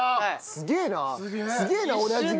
すげえな！